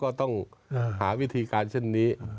ก็ต้องหาวิธีการเช่นนี้